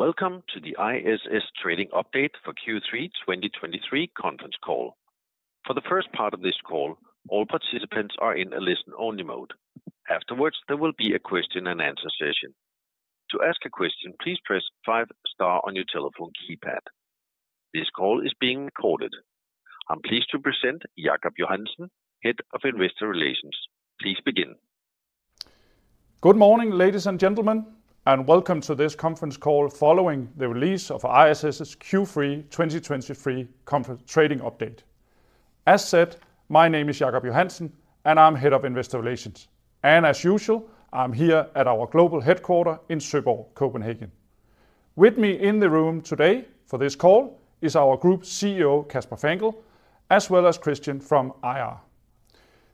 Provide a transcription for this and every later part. Welcome to the ISS Trading Update for Q3 2023 Conference Call. For the first part of this call, all participants are in a listen-only mode. Afterwards, there will be a question and answer session. To ask a question, please press five star on your telephone keypad. This call is being recorded. I'm pleased to present Jacob Johansen, Head of Investor Relations. Please begin. Good morning, ladies and gentlemen, and welcome to this conference call following the release of ISS's Q3 2023 Conference Trading Update. As said, my name is Jacob Johansen, and I'm Head of Investor Relations, and as usual, I'm here at our global headquarters in Søborg, Copenhagen. With me in the room today for this call is our Group CEO, Kasper Fangel, as well as Christian from IR.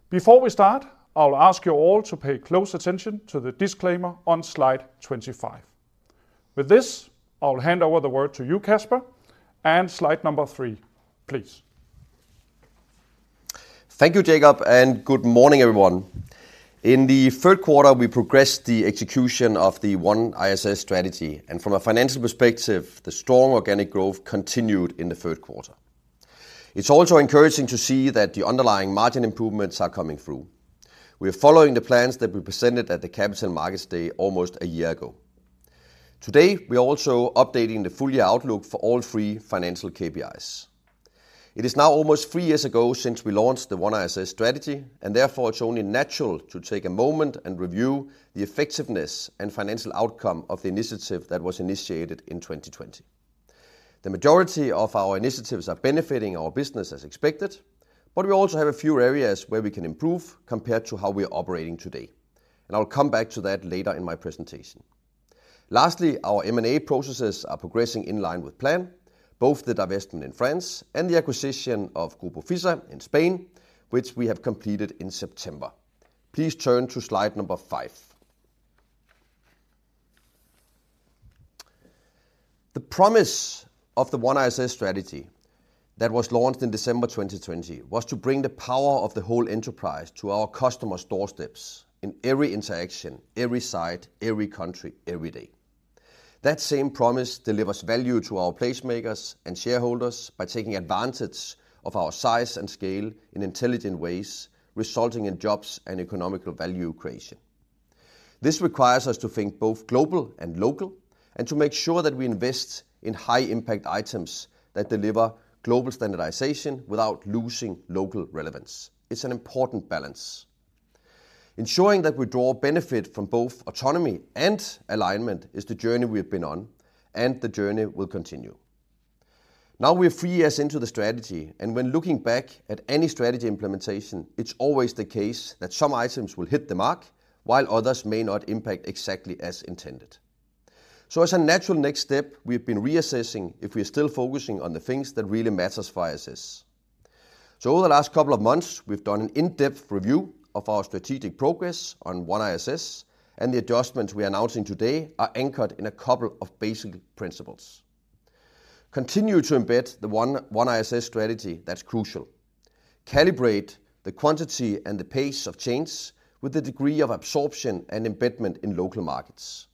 Before we start, I will ask you all to pay close attention to the disclaimer on slide 25. With this, I'll hand over the word to you, Kasper, and slide number three, please. Thank you, Jacob, and good morning, everyone. In the third quarter, we progressed the execution of the OneISS strategy, and from a financial perspective, the strong organic growth continued in the third quarter. It's also encouraging to see that the underlying margin improvements are coming through. We are following the plans that we presented at the Capital Markets Day almost a year ago. Today, we are also updating the full-year outlook for all three financial KPIs. It is now almost three years ago since we launched the OneISS strategy, and therefore, it's only natural to take a moment and review the effectiveness and financial outcome of the initiative that was initiated in 2020. The majority of our initiatives are benefiting our business as expected, but we also have a few areas where we can improve compared to how we are operating today, and I'll come back to that later in my presentation. Lastly, our M&A processes are progressing in line with plan, both the divestment in France and the acquisition of Grupo Fissa in Spain, which we have completed in September. Please turn to slide number five. The promise of the OneISS strategy that was launched in December 2020, was to bring the power of the whole enterprise to our customers' doorsteps in every interaction, every site, every country, every day. That same promise delivers value to our placemakers and shareholders by taking advantage of our size and scale in intelligent ways, resulting in jobs and economical value creation. This requires us to think both global and local, and to make sure that we invest in high-impact items that deliver global standardization without losing local relevance. It's an important balance. Ensuring that we draw benefit from both autonomy and alignment is the journey we've been on, and the journey will continue. Now, we're three years into the strategy, and when looking back at any strategy implementation, it's always the case that some items will hit the mark, while others may not impact exactly as intended. As a natural next step, we've been reassessing if we are still focusing on the things that really matters for ISS. So over the last couple of months, we've done an in-depth review of our strategic progress on OneISS, and the adjustments we are announcing today are anchored in a couple of basic principles: Continue to embed the OneISS strategy, that's crucial. Calibrate the quantity and the pace of change with the degree of absorption and embedment in local markets.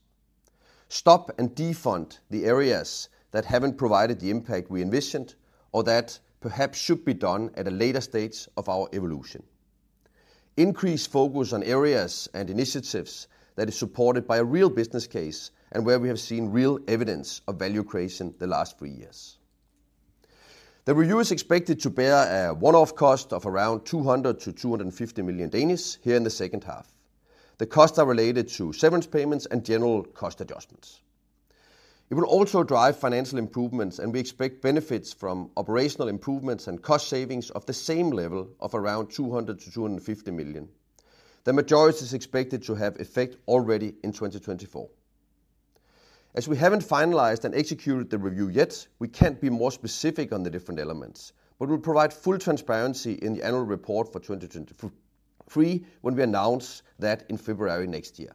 Stop and defund the areas that haven't provided the impact we envisioned, or that perhaps should be done at a later stage of our evolution. Increase focus on areas and initiatives that is supported by a real business case and where we have seen real evidence of value creation the last three years. The review is expected to bear a one-off cost of around 200 million-250 million here in the second half. The costs are related to severance payments and general cost adjustments. It will also drive financial improvements, and we expect benefits from operational improvements and cost savings of the same level of around 200-250 million. The majority is expected to have effect already in 2024. As we haven't finalized and executed the review yet, we can't be more specific on the different elements, but we'll provide full transparency in the annual report for 2023 when we announce that in February next year.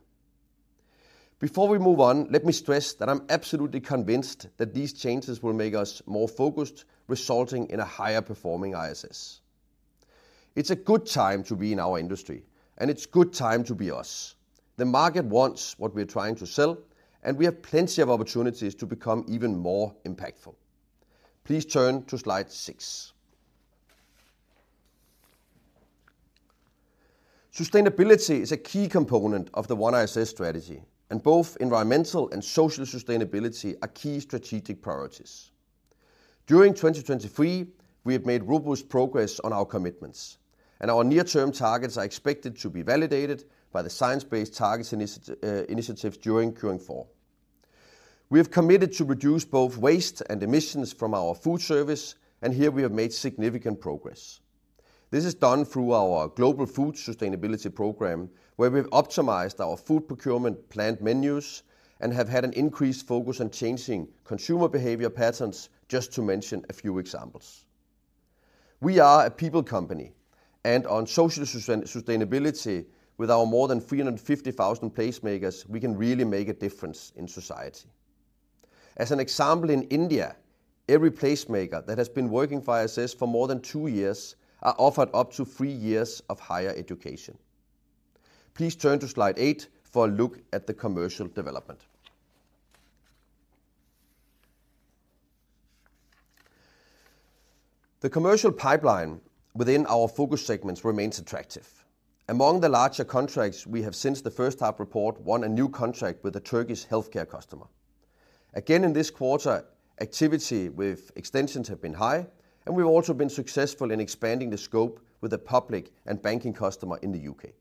Before we move on, let me stress that I'm absolutely convinced that these changes will make us more focused, resulting in a higher performing ISS. It's a good time to be in our industry, and it's good time to be us. The market wants what we're trying to sell, and we have plenty of opportunities to become even more impactful. Please turn to slide six. Sustainability is a key component of the OneISS strategy, and both environmental and social sustainability are key strategic priorities. During 2023, we have made robust progress on our commitments, and our near-term targets are expected to be validated by the Science Based Targets Initiative during Q4. We have committed to reduce both waste and emissions from our food service, and here we have made significant progress. This is done through our Global Food Sustainability program, where we've optimized our food procurement planned menus and have had an increased focus on changing consumer behavior patterns, just to mention a few examples. We are a people company, and on social sustainability with our more than 350,000 placemakers, we can really make a difference in society. As an example, in India, every placemaker that has been working for ISS for more than two years are offered up to three years of higher education. Please turn to slide eight for a look at the commercial development. The commercial pipeline within our focus segments remains attractive. Among the larger contracts, we have, since the first half report, won a new contract with a Turkish healthcare customer. Again, in this quarter, activity with extensions have been high, and we've also been successful in expanding the scope with a public and banking customer in the U.K.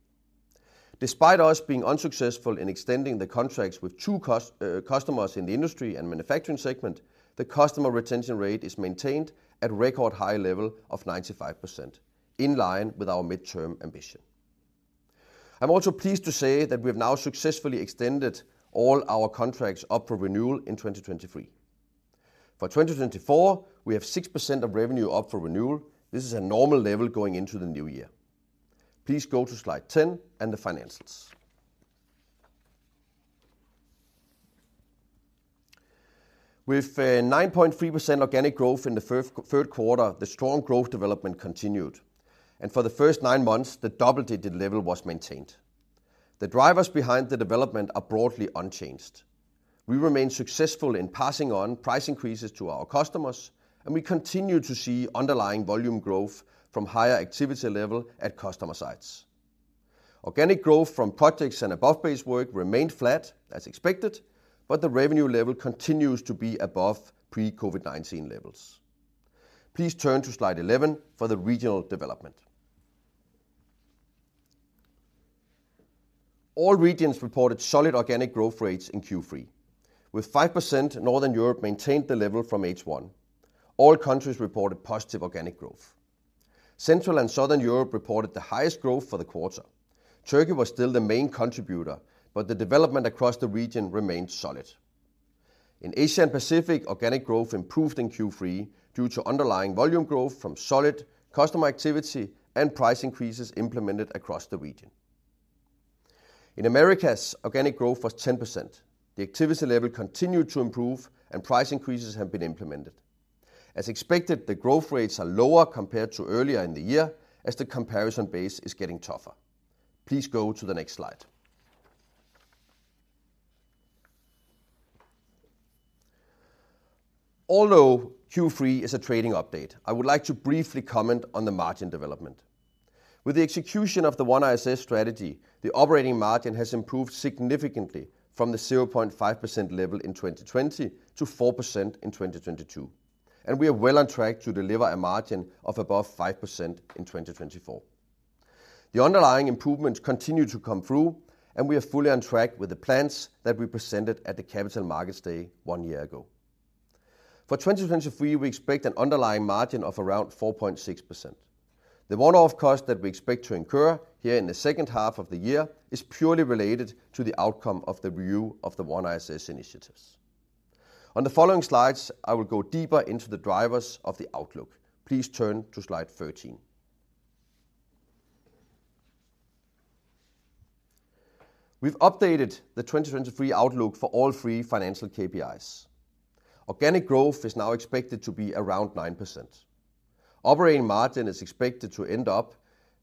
Despite us being unsuccessful in extending the contracts with two customers in the industry and manufacturing segment, the customer retention rate is maintained at record high level of 95%, in line with our midterm ambition. I'm also pleased to say that we have now successfully extended all our contracts up for renewal in 2023. For 2024, we have 6% of revenue up for renewal. This is a normal level going into the new year. Please go to slide 10 and the financials. With 9.3% organic growth in the third quarter, the strong growth development continued, and for the first nine months, the double-digit level was maintained. The drivers behind the development are broadly unchanged. We remain successful in passing on price increases to our customers, and we continue to see underlying volume growth from higher activity level at customer sites. Organic growth from projects and above base work remained flat, as expected, but the revenue level continues to be above pre-COVID-19 levels. Please turn to slide 11 for the regional development. All regions reported solid organic growth rates in Q3. With 5%, Northern Europe maintained the level from H1. All countries reported positive organic growth. Central and Southern Europe reported the highest growth for the quarter. Turkey was still the main contributor, but the development across the region remained solid. In Asia Pacific, organic growth improved in Q3 due to underlying volume growth from solid customer activity and price increases implemented across the region. In Americas, organic growth was 10%. The activity level continued to improve, and price increases have been implemented. As expected, the growth rates are lower compared to earlier in the year as the comparison base is getting tougher. Please go to the next slide. Although Q3 is a trading update, I would like to briefly comment on the margin development. With the execution of the OneISS strategy, the operating margin has improved significantly from the 0.5% level in 2020 to 4% in 2022, and we are well on track to deliver a margin of above 5% in 2024. The underlying improvements continue to come through, and we are fully on track with the plans that we presented at the Capital Markets Day one year ago. For 2023, we expect an underlying margin of around 4.6%. The one-off cost that we expect to incur here in the second half of the year is purely related to the outcome of the review of the OneISS initiatives. On the following slides, I will go deeper into the drivers of the outlook. Please turn to slide 13. We've updated the 2023 outlook for all three financial KPIs. Organic growth is now expected to be around 9%. Operating margin is expected to end up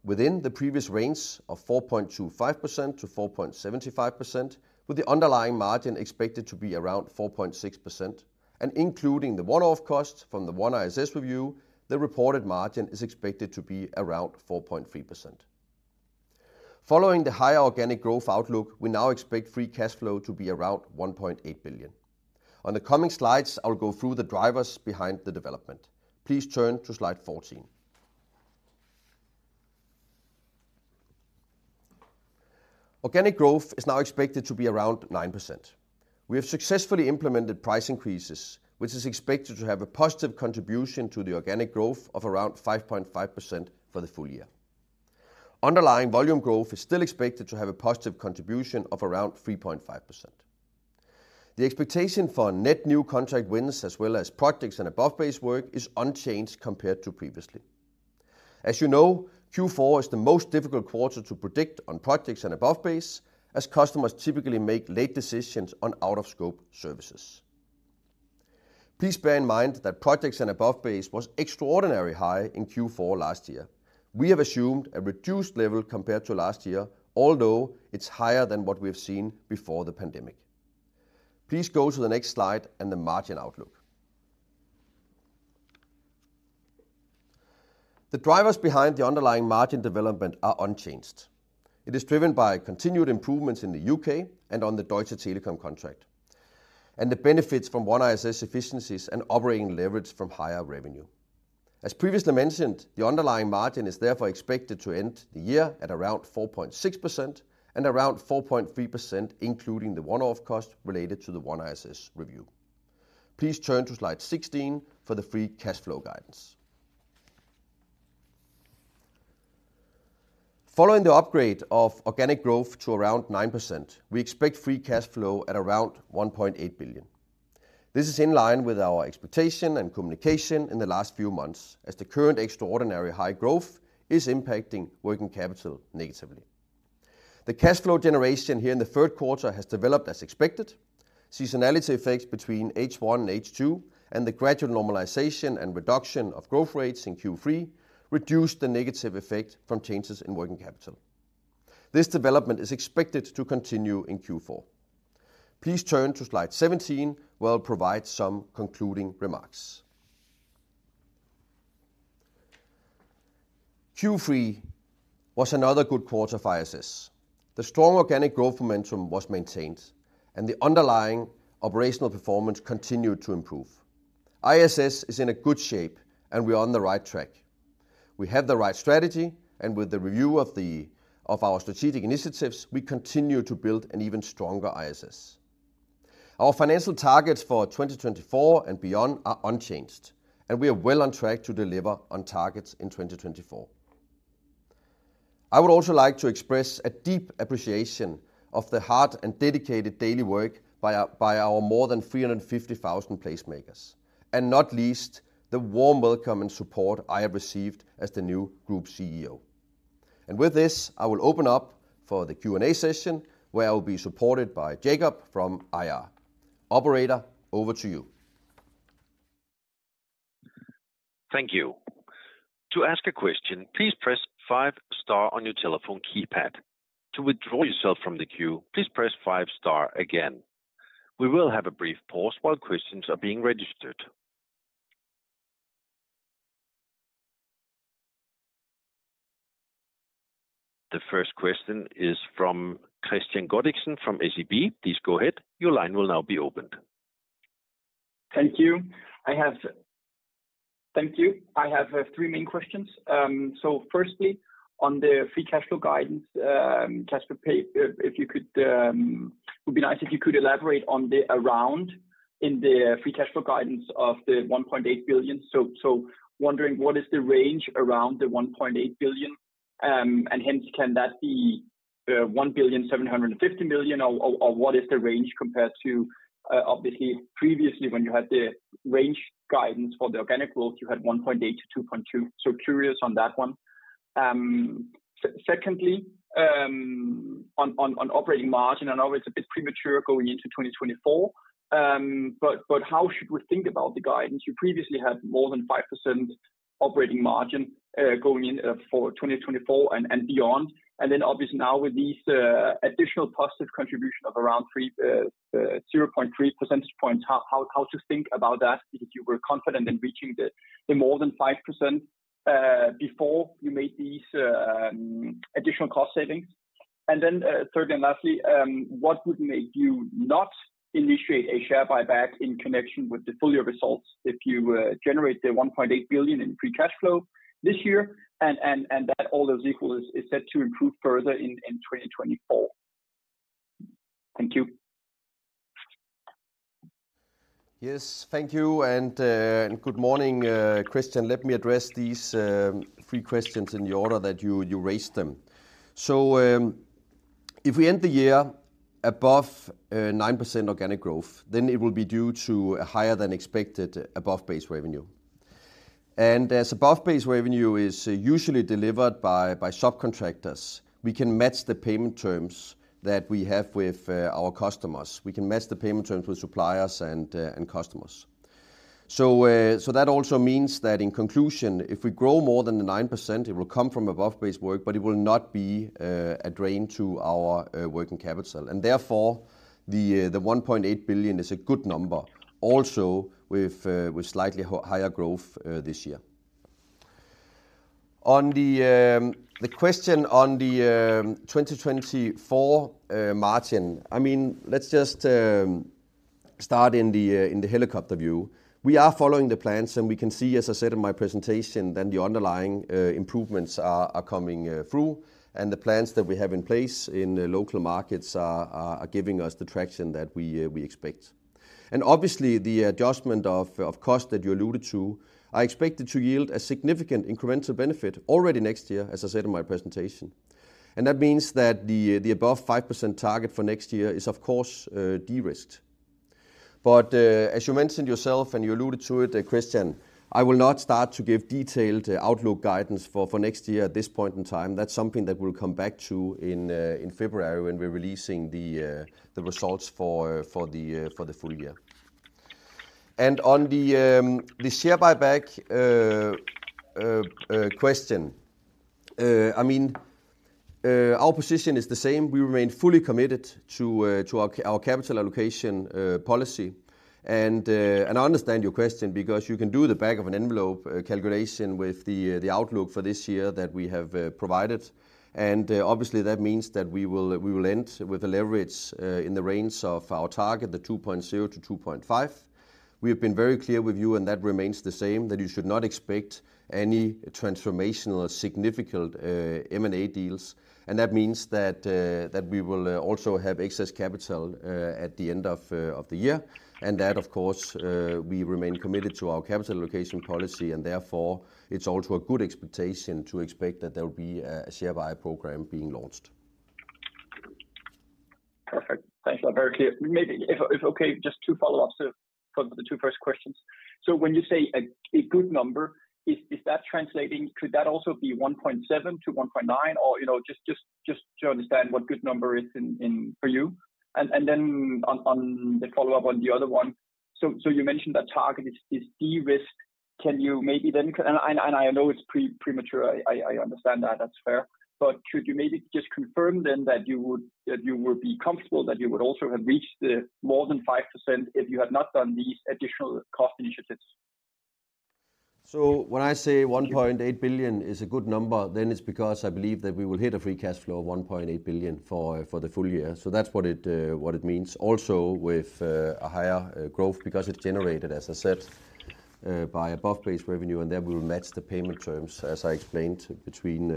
within the previous range of 4.25%-4.75%, with the underlying margin expected to be around 4.6%, and including the one-off cost from the OneISS review, the reported margin is expected to be around 4.3%. Following the higher organic growth outlook, we now expect free cash flow to be around 1.8 billion. On the coming slides, I'll go through the drivers behind the development. Please turn to slide 14. Organic growth is now expected to be around 9%. We have successfully implemented price increases, which is expected to have a positive contribution to the organic growth of around 5.5% for the full year. Underlying volume growth is still expected to have a positive contribution of around 3.5%. The expectation for net new contract wins, as well as projects and above base work, is unchanged compared to previously. As you know, Q4 is the most difficult quarter to predict on projects and above base, as customers typically make late decisions on out-of-scope services. Please bear in mind that projects and above base was extraordinarily high in Q4 last year. We have assumed a reduced level compared to last year, although it's higher than what we have seen before the pandemic. Please go to the next slide and the margin outlook. The drivers behind the underlying margin development are unchanged. It is driven by continued improvements in the U.K. and on the Deutsche Telekom contract, and the benefits from OneISS efficiencies and operating leverage from higher revenue. As previously mentioned, the underlying margin is therefore expected to end the year at around 4.6% and around 4.3%, including the one-off cost related to the OneISS review. Please turn to slide 16 for the free cash flow guidance. Following the upgrade of organic growth to around 9%, we expect free cash flow at around 1.8 billion. This is in line with our expectation and communication in the last few months, as the current extraordinary high growth is impacting working capital negatively. The cash flow generation here in the third quarter has developed as expected. Seasonality effects between H1 and H2, and the gradual normalization and reduction of growth rates in Q3 reduced the negative effect from changes in working capital. This development is expected to continue in Q4. Please turn to slide 17, where I'll provide some concluding remarks. Q3 was another good quarter for ISS. The strong organic growth momentum was maintained, and the underlying operational performance continued to improve. ISS is in a good shape, and we are on the right track. We have the right strategy, and with the review of our strategic initiatives, we continue to build an even stronger ISS. Our financial targets for 2024 and beyond are unchanged, and we are well on track to deliver on targets in 2024. I would also like to express a deep appreciation of the hard and dedicated daily work by our more than 350,000 placemakers, and not least, the warm welcome and support I have received as the new group CEO. With this, I will open up for the Q&A session, where I will be supported by Jacob from IR. Operator, over to you. Thank you. To ask a question, please press five star on your telephone keypad. To withdraw yourself from the queue, please press five star again. We will have a brief pause while questions are being registered. The first question is from Kristian Godiksen from SEB. Please go ahead. Your line will now be opened. Thank you. I have three main questions. First, on the free cash flow guidance, Kasper, if you could, it would be nice if you could elaborate on the around in the free cash flow guidance of the 1.8 billion. So wondering, what is the range around the 1.8 billion? And hence, can that be 1.75 billion, or what is the range compared to, obviously previously when you had the range guidance for the organic growth, you had 1.8%-2.2%. So curious on that one. Second, on operating margin, I know it's a bit premature going into 2024, but how should we think about the guidance? You previously had more than 5% operating margin going in for 2024 and beyond. And then obviously now with these additional positive contribution of around three 0.3 percentage points, how to think about that, because you were confident in reaching the more than 5% before you made these additional cost savings? And then third and lastly what would make you not initiate a share buyback in connection with the full year results if you generate the 1.8 billion in free cash flow this year, and that all those equals is set to improve further in 2024? Thank you. Yes, thank you, and good morning, Kristian. Let me address these three questions in the order that you raised them. So, if we end the year above 9% organic growth, then it will be due to a higher than expected above-base revenue. And as above-base revenue is usually delivered by subcontractors, we can match the payment terms that we have with our customers. We can match the payment terms with suppliers and customers. So that also means that in conclusion, if we grow more than the 9%, it will come from above-base work, but it will not be a drain to our working capital. And therefore, the 1.8 billion is a good number, also with slightly higher growth this year. On the, the question on the 2024 margin, I mean, let's just start in the helicopter view. We are following the plans, and we can see, as I said in my presentation, that the underlying improvements are coming through, and the plans that we have in place in the local markets are giving us the traction that we expect. And obviously, the adjustment of cost that you alluded to are expected to yield a significant incremental benefit already next year, as I said in my presentation. And that means that the above 5% target for next year is of course de-risked. But as you mentioned yourself, and you alluded to it, Kristian, I will not start to give detailed outlook guidance for next year at this point in time. That's something that we'll come back to in February when we're releasing the results for the full year. On the share buyback question, I mean, our position is the same. We remain fully committed to our capital allocation policy. I understand your question because you can do the back of an envelope calculation with the outlook for this year that we have provided. Obviously, that means that we will end with a leverage in the range of our target, the 2.0-2.5. We have been very clear with you, and that remains the same, that you should not expect any transformational or significant M&A deals. That means that we will also have excess capital at the end of the year. And that, of course, we remain committed to our capital allocation policy, and therefore, it's also a good expectation to expect that there will be a share buy program being launched. Perfect. Thank you. Very clear. Maybe if okay, just two follow-ups for the two first questions. So when you say a good number, is that translating, could that also be 1.7-1.9? Or, you know, just to understand what good number is in for you. And then on the follow-up on the other one. So you mentioned that target is de-risk. Can you maybe then... And I know it's premature. I understand that, that's fair. But could you maybe just confirm then that you would be comfortable that you would also have reached more than 5% if you had not done these additional cost initiatives? So when I say 1.8 billion is a good number, then it's because I believe that we will hit a free cash flow of 1.8 billion for, for the full year. So that's what it, what it means. Also, with, a higher, growth, because it's generated, as I said, by above-base revenue, and then we will match the payment terms, as I explained, between,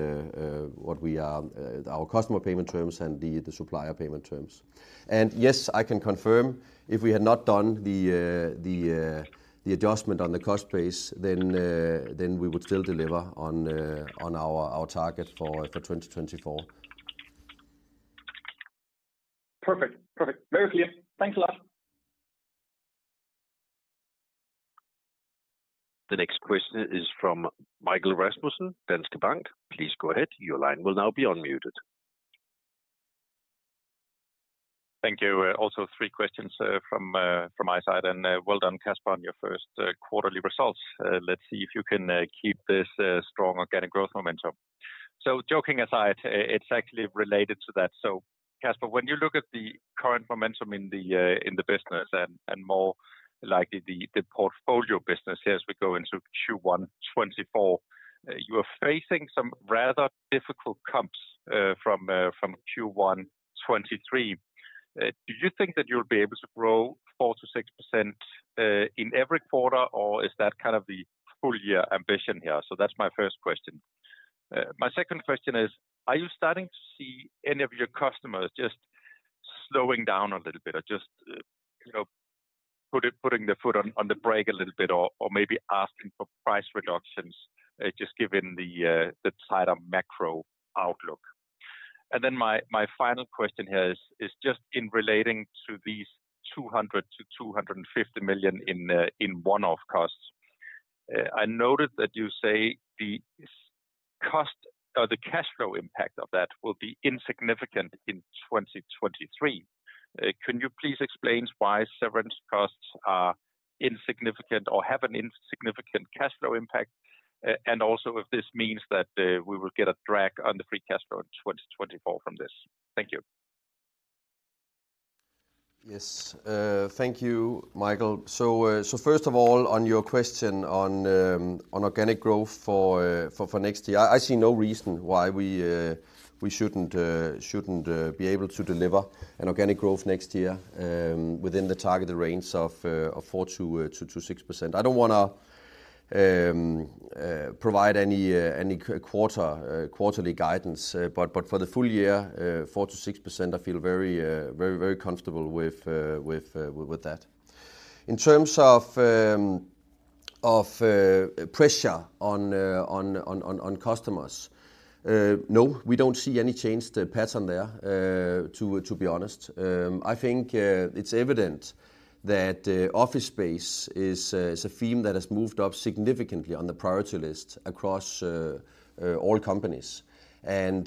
what we are, our customer payment terms and the, the supplier payment terms. And yes, I can confirm, if we had not done the, the, the adjustment on the cost base, then, then we would still deliver on, on our, our target for, for 2024. Perfect. Perfect. Very clear. Thanks a lot. The next question is from Michael Rasmussen, Danske Bank. Please go ahead. Your line will now be unmuted. Thank you. Also three questions from my side, and well done, Kasper, on your first quarterly results. Let's see if you can keep this strong organic growth momentum. So joking aside, it's actually related to that. So Kasper, when you look at the current momentum in the business and more likely the portfolio business as we go into Q1 2024, you are facing some rather difficult comps from Q1 2023. Do you think that you'll be able to grow 4%-6% in every quarter, or is that kind of the full year ambition here? So that's my first question. My second question is, are you starting to see any of your customers just slowing down a little bit or just, you know, putting their foot on the brake a little bit, or maybe asking for price reductions, just given the tighter macro outlook? And then my final question here is just in relating to these 200-250 million in one-off costs. I noted that you say the cost, or the cash flow impact of that will be insignificant in 2023. Can you please explain why severance costs are insignificant or have an insignificant cash flow impact? And also, if this means that we will get a drag on the free cash flow in 2024 from this. Thank you. Yes, thank you, Michael. So, first of all, on your question on organic growth for next year, I see no reason why we shouldn't be able to deliver an organic growth next year, within the targeted range of 4%-6%. I don't want to provide any quarterly guidance, but for the full year, 4%-6%, I feel very comfortable with that. In terms of pressure on customers, no, we don't see any change to the pattern there, to be honest. I think it's evident that office space is a theme that has moved up significantly on the priority list across all companies. And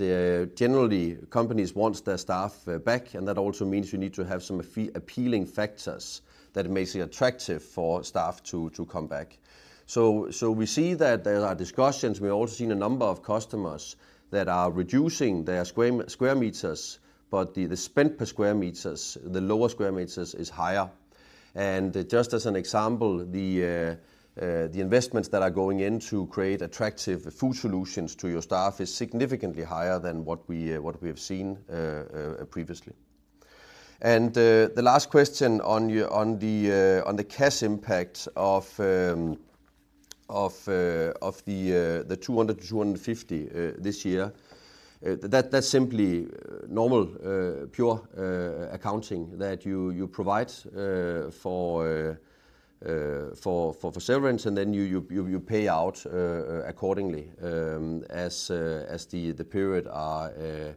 generally, companies wants their staff back, and that also means you need to have some few appealing factors that makes it attractive for staff to come back. So we see that there are discussions. We've also seen a number of customers that are reducing their square meters, but the spend per square meters, the lower square meters, is higher. And just as an example, the investments that are going in to create attractive food solutions to your staff is significantly higher than what we have seen previously. The last question on the cash impact of the 200-250 this year, that's simply normal, pure accounting that you provide for severance, and then you pay out accordingly as the periods are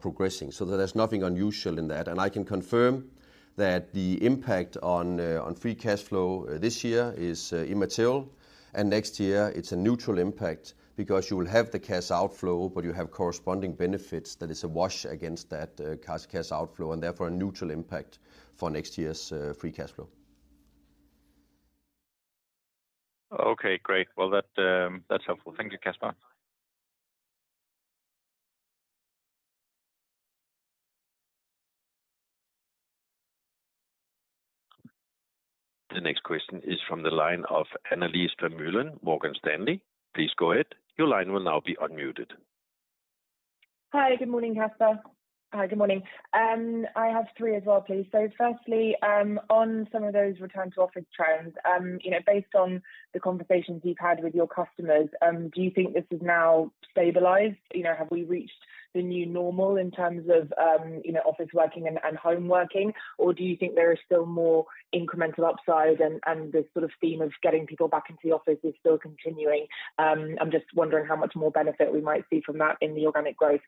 progressing. There's nothing unusual in that. I can confirm that the impact on free cash flow this year is immaterial, and next year it's a neutral impact because you will have the cash outflow, but you have corresponding benefits that is a wash against that cash outflow, and therefore, a neutral impact for next year's free cash flow. Okay, great. Well, that, that's helpful. Thank you, Kasper. The next question is from the line of Annelies Vermeulen, Morgan Stanley. Please go ahead. Your line will now be unmuted. Hi, good morning, Kasper. Hi, good morning. I have three as well, please. So firstly, on some of those return to office trends, you know, based on the conversations you've had with your customers, do you think this is now stabilized? You know, have we reached the new normal in terms of, you know, office working and, and home working, or do you think there is still more incremental upside and, and the sort of theme of getting people back into the office is still continuing? I'm just wondering how much more benefit we might see from that in the organic growth.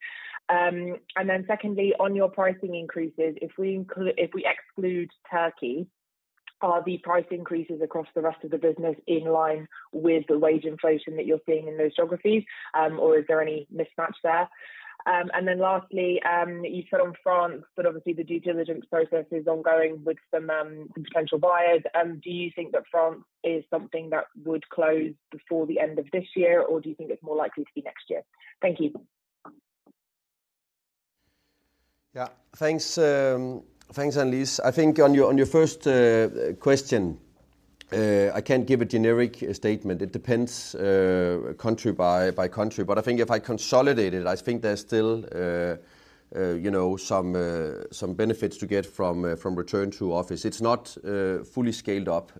And then secondly, on your pricing increases, if we include—if we exclude Turkey. Are the price increases across the rest of the business in line with the wage inflation that you're seeing in those geographies, or is there any mismatch there? And then lastly, you said on France, but obviously the due diligence process is ongoing with some potential buyers. Do you think that France is something that would close before the end of this year, or do you think it's more likely to be next year? Thank you. Yeah. Thanks, Annelies. I think on your first question, I can't give a generic statement. It depends country by country, but I think if I consolidate it, I think there's still, you know, some benefits to get from return to office. It's not fully scaled up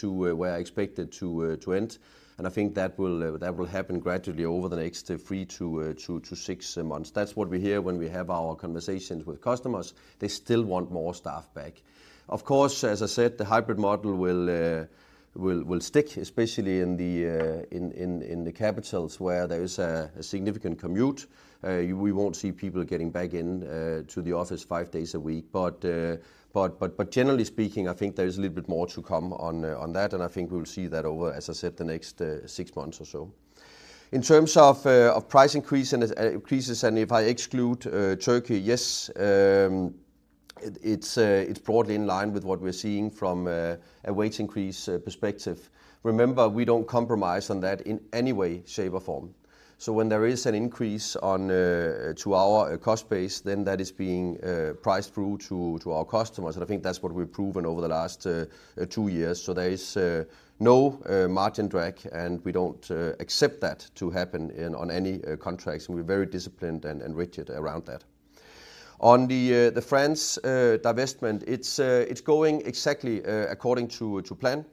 to where I expect it to end, and I think that will happen gradually over the next three to two to six months. That's what we hear when we have our conversations with customers. They still want more staff back. Of course, as I said, the hybrid model will stick, especially in the capitals, where there is a significant commute. We won't see people getting back in to the office five days a week. But generally speaking, I think there is a little bit more to come on that, and I think we'll see that over, as I said, the next six months or so. In terms of price increase and increases, and if I exclude Turkey, yes, it's broadly in line with what we're seeing from a wage increase perspective. Remember, we don't compromise on that in any way, shape, or form. So when there is an increase on to our cost base, then that is being priced through to our customers, and I think that's what we've proven over the last two years. So there is no margin drag, and we don't accept that to happen in on any contracts, and we're very disciplined and rigid around that. On the France divestment, it's going exactly according to plan.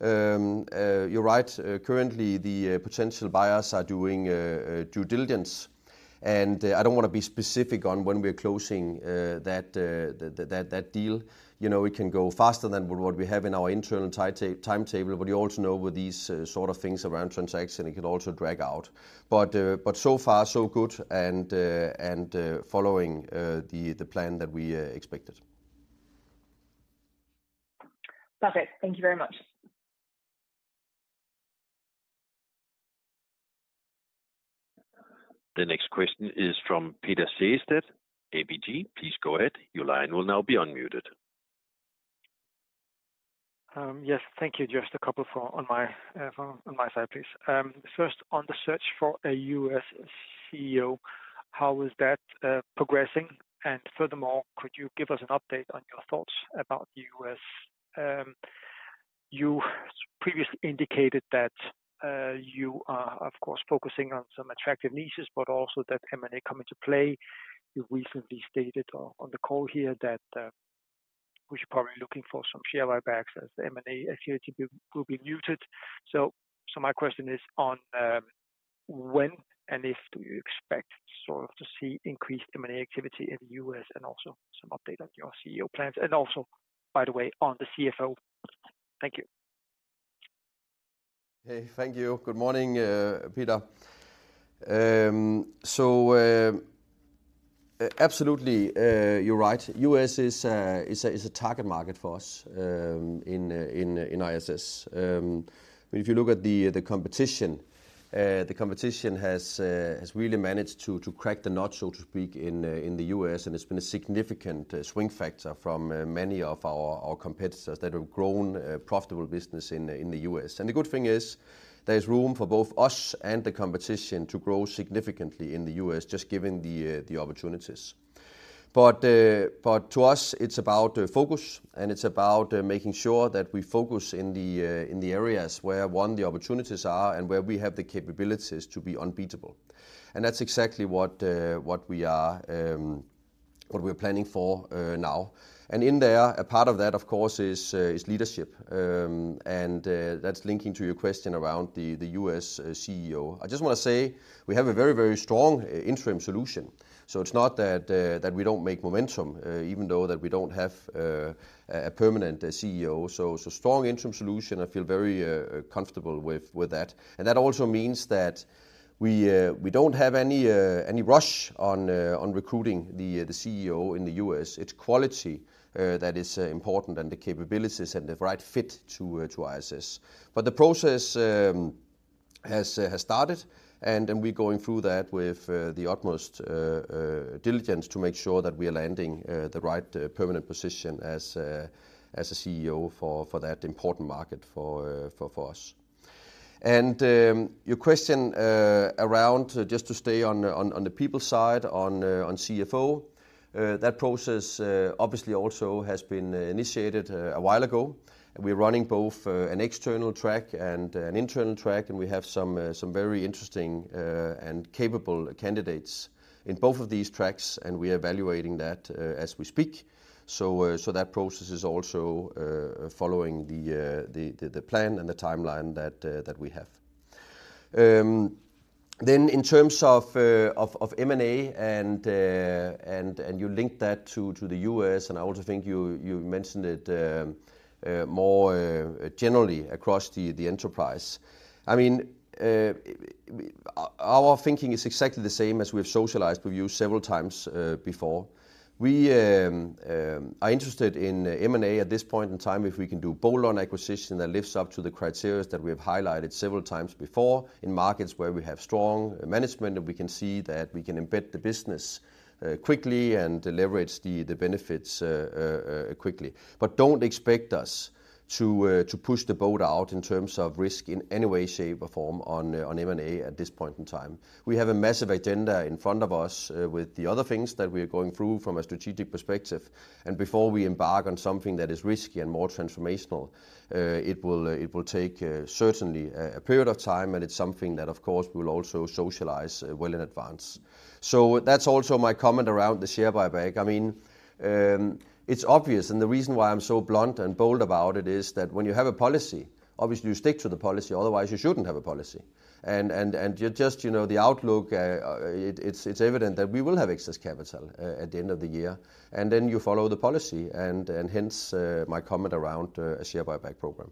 You're right, currently the potential buyers are doing due diligence, and I don't want to be specific on when we're closing that deal. You know, it can go faster than what we have in our internal timetable, but you also know with these sort of things around transaction, it can also drag out. But so far, so good, and following the plan that we expected. Perfect. Thank you very much. The next question is from Peter Sehested, ABG. Please go ahead. Your line will now be unmuted. Yes, thank you. Just a couple for on my, on my side, please. First, on the search for a U.S. CEO, how is that, progressing? And furthermore, could you give us an update on your thoughts about the U.S.? You previously indicated that, you are, of course, focusing on some attractive niches, but also that M&A come into play. You recently stated on, on the call here that, we should probably be looking for some share buybacks as the M&A activity will be muted. So, so my question is on, when and if do you expect sort of to see increased M&A activity in the U.S., and also some update on your CEO plans, and also, by the way, on the CFO? Thank you. Hey, thank you. Good morning, Peter. So, absolutely, you're right, U.S. is a target market for us in ISS. If you look at the competition, the competition has really managed to crack the nut, so to speak, in the U.S., and it's been a significant swing factor from many of our competitors that have grown a profitable business in the U.S. And the good thing is there is room for both us and the competition to grow significantly in the U.S., just given the opportunities. But to us, it's about focus, and it's about making sure that we focus in the areas where, one, the opportunities are and where we have the capabilities to be unbeatable. That's exactly what we're planning for now. And in there, a part of that, of course, is leadership and that's linking to your question around the U.S. CEO. I just want to say we have a very, very strong interim solution, so it's not that we don't make momentum even though we don't have a permanent CEO. So strong interim solution, I feel very comfortable with that. And that also means that we don't have any rush on recruiting the CEO in the U.S. It's quality that is important and the capabilities and the right fit to ISS. But the process has started, and then we're going through that with the utmost diligence to make sure that we are landing the right permanent position as a CEO for that important market for us. And your question around, just to stay on the people side, on CFO, that process obviously also has been initiated a while ago. We're running both an external track and an internal track, and we have some very interesting and capable candidates in both of these tracks, and we are evaluating that as we speak. So that process is also following the plan and the timeline that we have. Then in terms of M&A, you link that to the U.S., and I also think you mentioned it more generally across the enterprise. I mean, our thinking is exactly the same as we've socialized with you several times before. We are interested in M&A at this point in time, if we can do bolt-on acquisition that lives up to the criteria that we have highlighted several times before in markets where we have strong management, and we can see that we can embed the business quickly and leverage the benefits quickly. But don't expect us to push the boat out in terms of risk in any way, shape, or form on M&A at this point in time. We have a massive agenda in front of us, with the other things that we are going through from a strategic perspective. And before we embark on something that is risky and more transformational, it will take certainly a period of time, and it's something that, of course, we'll also socialize well in advance. So that's also my comment around the share buyback. I mean, it's obvious, and the reason why I'm so blunt and bold about it is that when you have a policy, obviously you stick to the policy, otherwise you shouldn't have a policy. And you just, you know, the outlook, it's evident that we will have excess capital at the end of the year, and then you follow the policy, and hence my comment around a share buyback program.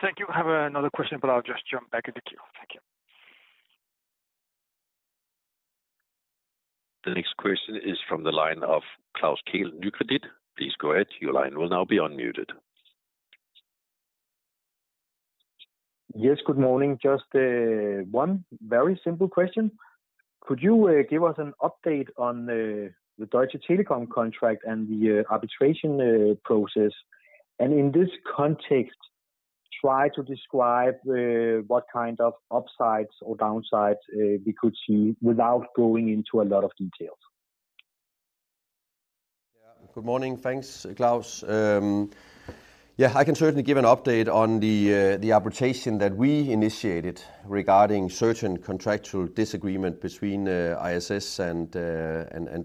Thank you. I have another question, but I'll just jump back in the queue. Thank you. The next question is from the line of Klaus Kehl, Nykredit. Please go ahead. Your line will now be unmuted. Yes, good morning. Just one very simple question: Could you give us an update on the Deutsche Telekom contract and the arbitration process? And in this context, try to describe what kind of upsides or downsides we could see without going into a lot of details. Yeah. Good morning. Thanks, Klaus. Yeah, I can certainly give an update on the arbitration that we initiated regarding certain contractual disagreement between ISS and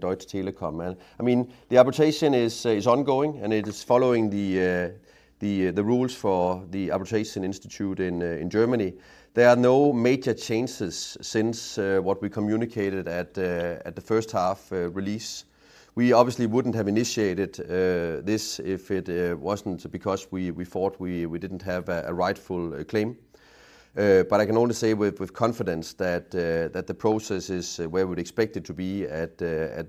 Deutsche Telekom. And, I mean, the arbitration is ongoing, and it is following the rules for the Arbitration Institute in Germany. There are no major changes since what we communicated at the first half release. We obviously wouldn't have initiated this if it wasn't because we thought we didn't have a rightful claim. But I can only say with confidence that the process is where we'd expect it to be at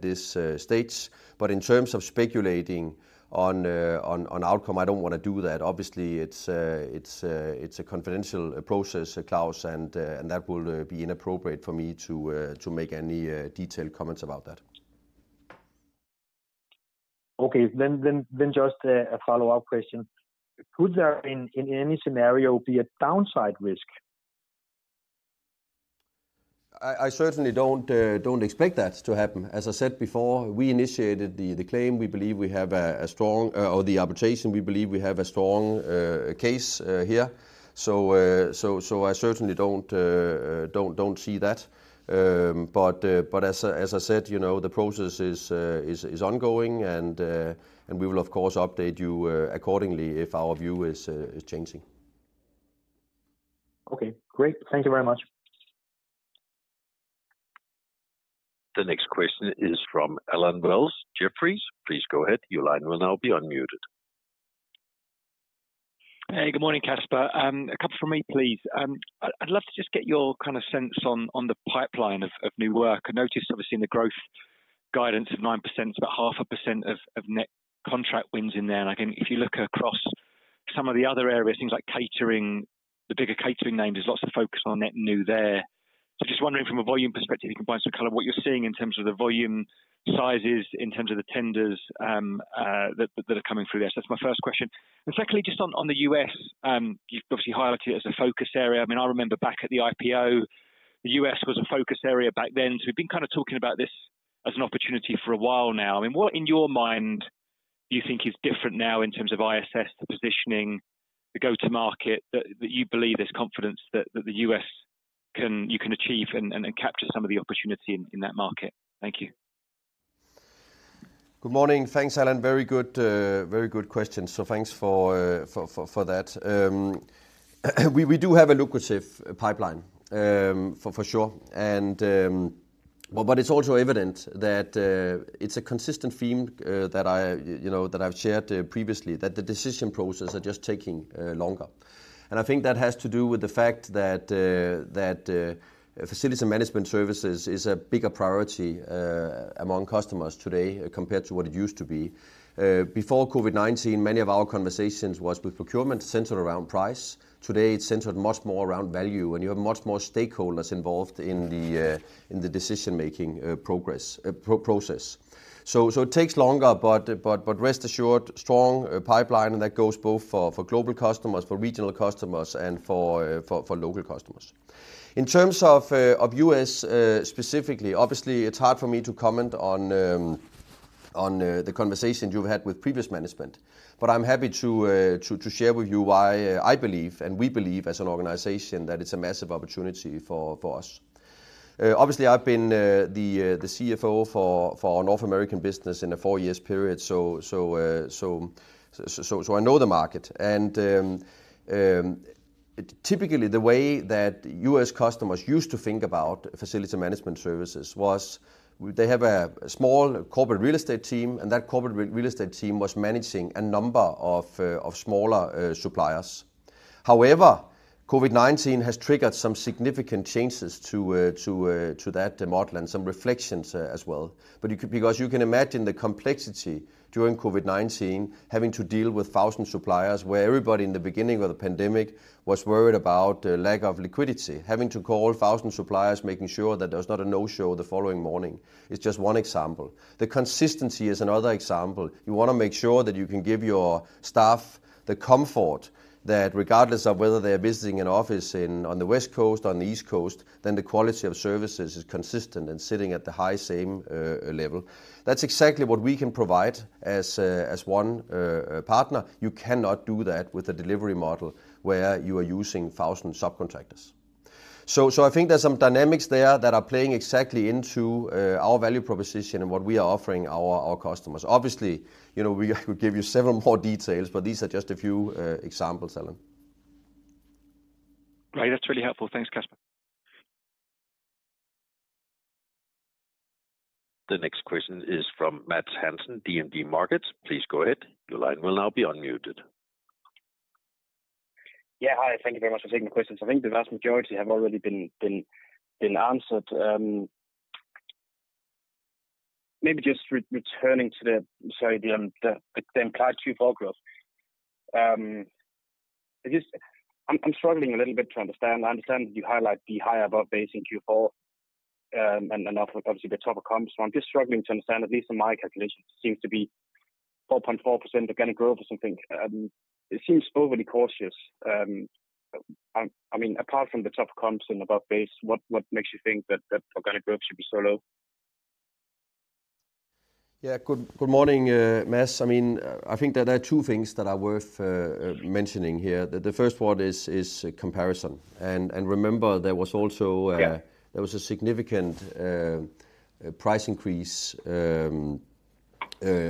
this stage. But in terms of speculating on outcome, I don't want to do that. Obviously, it's a confidential process, Klaus, and that would be inappropriate for me to make any detailed comments about that. Okay. Then just a follow-up question: Could there, in any scenario, be a downside risk? I certainly don't expect that to happen. As I said before, we initiated the claim. We believe we have a strong case here. So, I certainly don't see that. But as I said, you know, the process is ongoing, and we will, of course, update you accordingly if our view is changing. Okay, great. Thank you very much. The next question is from Allen Wells, Jefferies. Please go ahead. Your line will now be unmuted. Hey, good morning, Kasper. A couple from me, please. I'd love to just get your kind of sense on the pipeline of new work. I noticed obviously in the growth guidance of 9%, about 0.5% of net contract wins in there. And I think if you look across some of the other areas, things like catering, the bigger catering names, there's lots of focus on net new there. So just wondering from a volume perspective, you can buy some color, what you're seeing in terms of the volume sizes, in terms of the tenders that are coming through there. So that's my first question. And secondly, just on the U.S., you've obviously highlighted it as a focus area. I mean, I remember back at the IPO, the U.S. was a focus area back then. So we've been kind of talking about this as an opportunity for a while now. I mean, what in your mind do you think is different now in terms of ISS, the positioning, the go-to market, that you believe there's confidence that the U.S. can you can achieve and capture some of the opportunity in that market? Thank you. Good morning. Thanks, Allen. Very good, very good question. So thanks for that. We do have a lucrative pipeline, for sure. And, but it's also evident that it's a consistent theme, that I, you know, that I've shared previously, that the decision processes are just taking longer. And I think that has to do with the fact that facility management services is a bigger priority among customers today compared to what it used to be. Before COVID-19, many of our conversations was with procurement centered around price. Today, it's centered much more around value, and you have much more stakeholders involved in the decision-making process. So it takes longer, but rest assured, strong pipeline, and that goes both for global customers, for regional customers, and for local customers. In terms of U.S. specifically, obviously, it's hard for me to comment on the conversations you've had with previous management, but I'm happy to share with you why I believe, and we believe as an organization, that it's a massive opportunity for us. Obviously, I've been the CFO for North American business in a four-year period, so I know the market. Typically, the way that U.S. customers used to think about facility management services was they have a small corporate real estate team, and that corporate real estate team was managing a number of smaller suppliers. However, COVID-19 has triggered some significant changes to that model and some reflections as well. But you could, because you can imagine the complexity during COVID-19, having to deal with 1,000 suppliers, where everybody in the beginning of the pandemic was worried about the lack of liquidity. Having to call 1,000 suppliers, making sure that there's not a no-show the following morning, is just one example. The consistency is another example. You wanna make sure that you can give your staff the comfort that regardless of whether they are visiting an office in, on the West Coast, on the East Coast, then the quality of services is consistent and sitting at the high same level. That's exactly what we can provide as as one partner. You cannot do that with a delivery model where you are using thousand subcontractors. So, so I think there's some dynamics there that are playing exactly into our value proposition and what we are offering our customers. Obviously, you know, we could give you several more details, but these are just a few examples, Allen. Great. That's really helpful. Thanks, Kasper. The next question is from Mads Andersen, DNB Markets. Please go ahead. Your line will now be unmuted. Yeah, hi, thank you very much for taking the questions. I think the vast majority have already been answered. Maybe just returning to the, sorry, the implied Q4 growth. I just... I'm struggling a little bit to understand. I understand you highlight the high above base in Q4, and then obviously the tougher comps. So I'm just struggling to understand, at least in my calculations, it seems to be 4.4% organic growth or something. It seems overly cautious. I mean, apart from the tough comps and above base, what makes you think that organic growth should be so low? Yeah. Good morning, Mads. I mean, I think there are two things that are worth mentioning here. The first one is comparison. And remember, there was also Yeah There was a significant price increase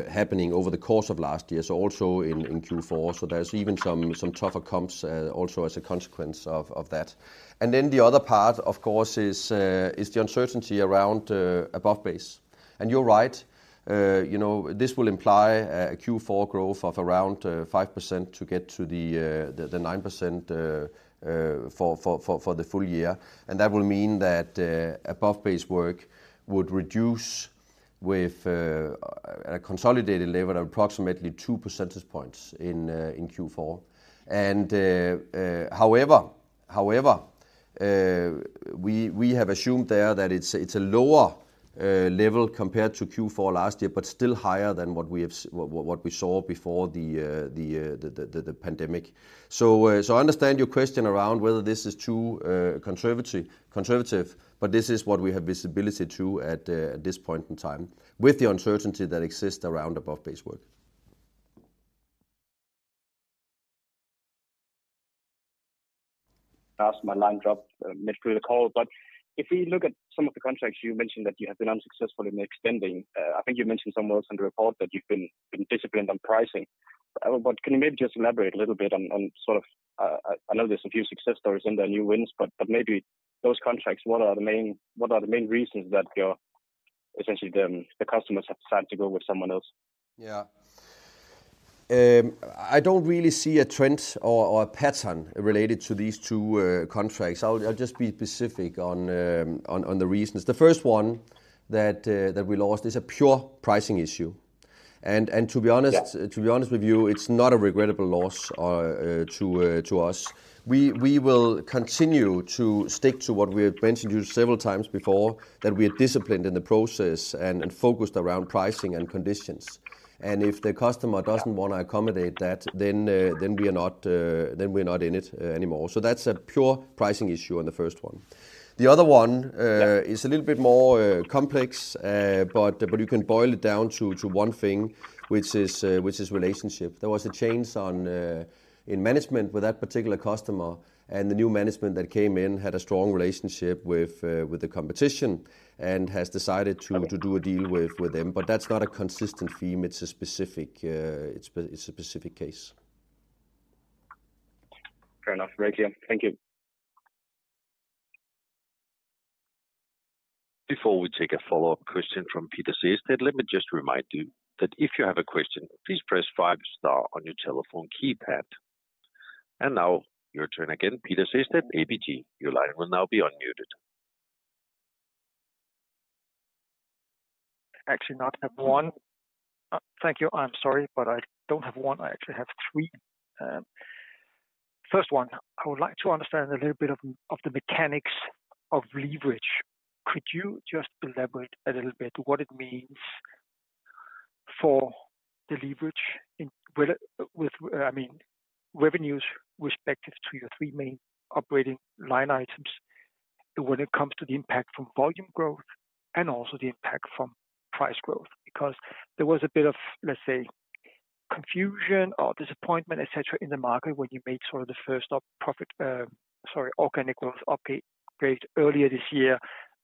happening over the course of last year, so also in Q4. So there's even some tougher comps also as a consequence of that. And then the other part, of course, is the uncertainty around above base. And you're right, you know, this will imply a Q4 growth of around 5% to get to the 9% for the full year. And that will mean that above base work would reduce with at a consolidated level, approximately two percentage points in Q4. However, we have assumed there that it's a lower level compared to Q4 last year, but still higher than what we saw before the pandemic. So, I understand your question around whether this is too conservative, but this is what we have visibility to at this point in time, with the uncertainty that exists around above base work. That's my line dropped mid through the call. But if we look at some of the contracts you mentioned that you have been unsuccessful in extending, I think you mentioned somewhere else in the report that you've been, been disciplined on pricing. But can you maybe just elaborate a little bit on, on sort of, I know there's a few success stories and there are new wins, but, but maybe those contracts, what are the main-- what are the main reasons that your, essentially, the, the customers have decided to go with someone else? Yeah. I don't really see a trend or a pattern related to these two contracts. I'll just be specific on the reasons. The first one that we lost is a pure pricing issue. And to be honest- Yeah To be honest with you, it's not a regrettable loss to us. We will continue to stick to what we have mentioned to you several times before, that we are disciplined in the process and focused around pricing and conditions. And if the customer doesn't wanna accommodate that, then we're not in it anymore. So that's a pure pricing issue on the first one. The other one, Yeah It is a little bit more complex, but you can boil it down to one thing, which is relationship. There was a change in management with that particular customer, and the new management that came in had a strong relationship with the competition and has decided to do a deal with them. But that's not a consistent theme. It's a specific case. Fair enough. Very clear. Thank you. Before we take a follow-up question from Peter Sehested, let me just remind you that if you have a question, please press five star on your telephone keypad. Now your turn again, Peter Sehested, ABG, your line will now be unmuted. Actually, not have one. Thank you. I'm sorry, but I don't have one, I actually have three. First one, I would like to understand a little bit of the mechanics of leverage. Could you just elaborate a little bit what it means for the leverage in? With, with, I mean, revenues respective to your three main operating line items, when it comes to the impact from volume growth and also the impact from price growth? Because there was a bit of, let's say, confusion or disappointment, et cetera, in the market when you made sort of the first profit, sorry, organic growth update great earlier this year,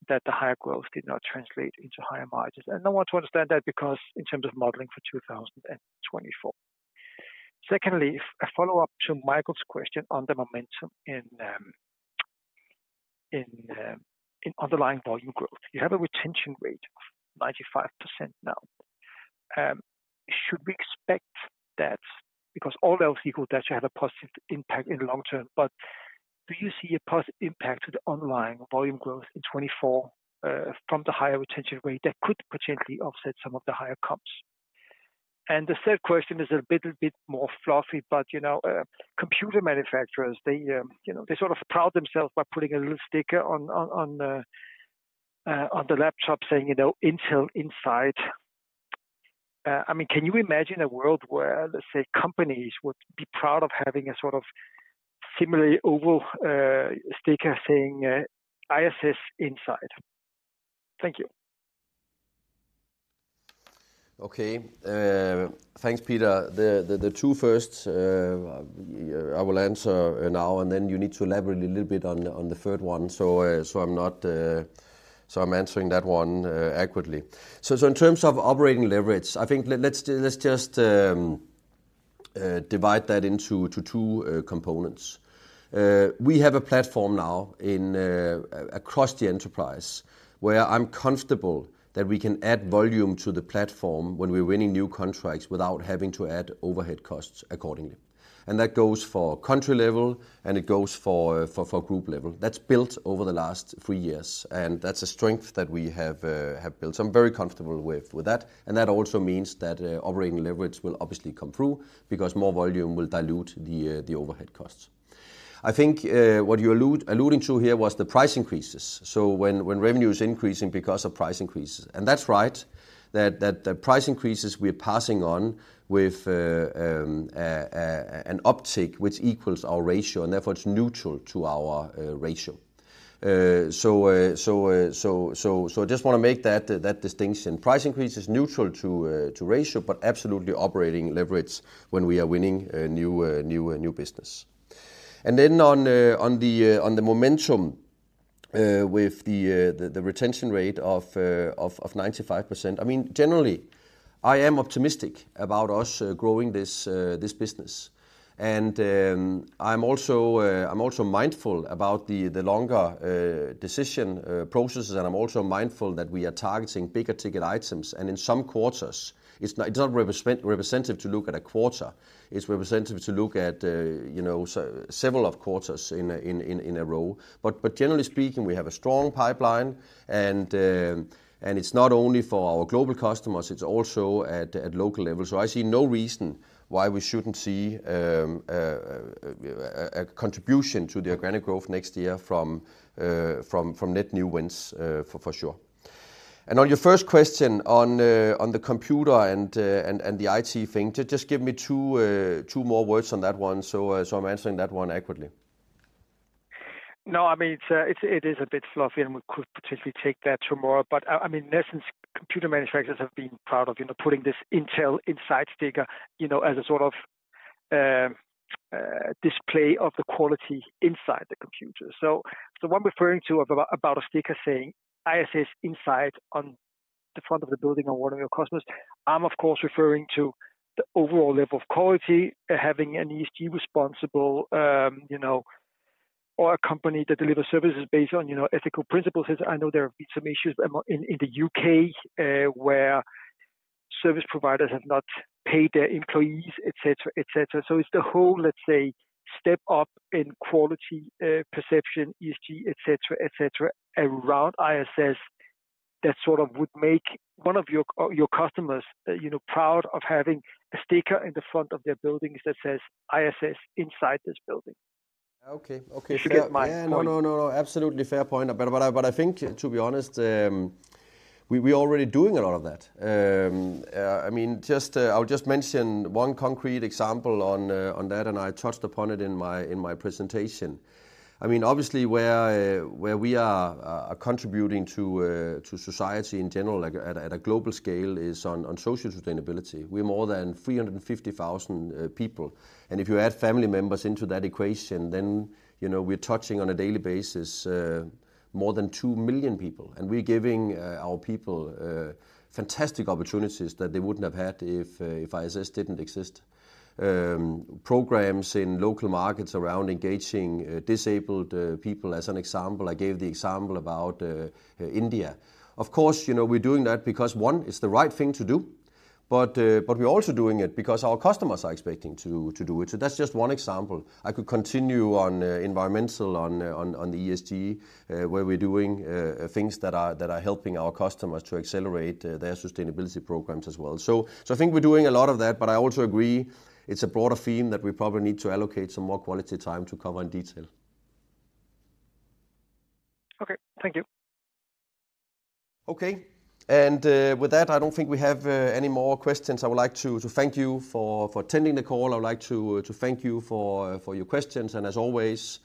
that the higher growth did not translate into higher margins. And I want to understand that because in terms of modeling for 2024. Secondly, a follow-up to Michael's question on the momentum in Q4 in underlying volume growth. You have a retention rate of 95% now. Should we expect that, because all else equal, that should have a positive impact in the long term, but do you see a positive impact to the underlying volume growth in 2024 from the higher retention rate that could potentially offset some of the higher comps? And the third question is a little bit more fluffy, but, you know, computer manufacturers, they, you know, they sort of pride themselves by putting a little sticker on the laptop saying, you know, Intel Inside. I mean, can you imagine a world where, let's say, companies would be proud of having a sort of similarly oval sticker saying ISS Inside? Thank you. Okay. Thanks, Peter. The two first, I will answer now, and then you need to elaborate a little bit on the third one, so I'm not. So I'm answering that one accurately. So in terms of operating leverage, I think let's just divide that into two components. We have a platform now across the enterprise, where I'm comfortable that we can add volume to the platform when we're winning new contracts without having to add overhead costs accordingly. And that goes for country level, and it goes for group level. That's built over the last three years, and that's a strength that we have built. So I'm very comfortable with that, and that also means that operating leverage will obviously come through because more volume will dilute the overhead costs. I think what you're alluding to here was the price increases, so when revenue is increasing because of price increases. And that's right, that the price increases we're passing on with an uptick, which equals our ratio, and therefore it's neutral to our ratio. So I just want to make that distinction. Price increase is neutral to ratio, but absolutely operating leverage when we are winning new business. And then on the momentum with the retention rate of 95%, I mean, generally, I am optimistic about us growing this business. And I'm also, I'm also mindful about the longer decision processes, and I'm also mindful that we are targeting bigger-ticket items. And in some quarters, it's not representative to look at a quarter, it's representative to look at, you know, several quarters in a row. But generally speaking, we have a strong pipeline, and it's not only for our global customers, it's also at local level. So I see no reason why we shouldn't see a contribution to the organic growth next year from net new wins, for sure. And on your first question on the computer and the IT thing, just give me two more words on that one, so I'm answering that one accurately. No, I mean, it's, it's, it is a bit fluffy, and we could potentially take that tomorrow. But I, I mean, in essence, computer manufacturers have been proud of, you know, putting this Intel Inside sticker, you know, as a sort of, display of the quality inside the computer. So the one referring to about, about a sticker saying ISS Inside on the front of the building of one of your customers, I'm of course referring to the overall level of quality, having an ESG responsible, you know, or a company that delivers services based on, you know, ethical principles. As I know, there have been some issues in the U.K., where service providers have not paid their employees, et cetera, et cetera. So it's the whole, let's say, step up in quality, perception, ESG, et cetera, et cetera, around ISS that sort of would make one of your your customers, you know, proud of having a sticker in the front of their buildings that says, "ISS inside this building. Okay. Okay. You get my point. Yeah. No, no, no, absolutely fair point. But, but I, but I think, to be honest, we, we're already doing a lot of that. I mean, just, I'll just mention one concrete example on, on that, and I touched upon it in my, in my presentation. I mean, obviously, where, where we are, contributing to, to society in general, like at a, at a global scale, is on, on social sustainability. We're more than 350,000 people, and if you add family members into that equation, then, you know, we're touching on a daily basis, more than two million people, and we're giving, our people, fantastic opportunities that they wouldn't have had if, if ISS didn't exist. Programs in local markets around engaging disabled people, as an example, I gave the example about India. Of course, you know, we're doing that because, one, it's the right thing to do, but we're also doing it because our customers are expecting to do it. So that's just one example. I could continue on environmental, on the ESG, where we're doing things that are helping our customers to accelerate their sustainability programs as well. So I think we're doing a lot of that, but I also agree it's a broader theme that we probably need to allocate some more quality time to cover in detail. Okay. Thank you. Okay. With that, I don't think we have any more questions. I would like to thank you for attending the call. I would like to thank you for your questions, and as always,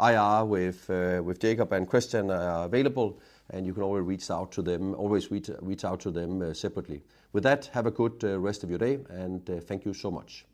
IR with Jacob and Christian are available, and you can always reach out to them, always reach out to them separately. With that, have a good rest of your day, and thank you so much.